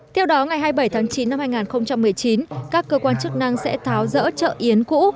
theo đó ngày hai mươi bảy tháng chín năm hai nghìn một mươi chín các cơ quan chức năng sẽ tháo rỡ chợ yến cũ